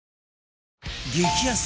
激安！